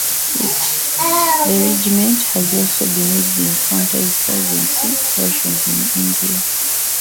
The regiment has also been used in counter-insurgency operations in India.